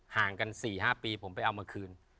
ห่างกัน๔๕ปีผมไปเอามาคืน